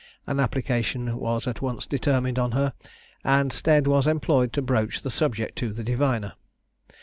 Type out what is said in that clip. An application was at once determined on to her, and Stead was employed to broach the subject to the diviner.